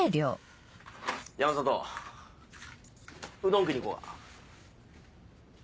山里うどん食いに行こう。